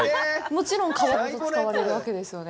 もちろん皮ごと使われるわけですよね。